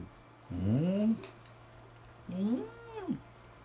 うん！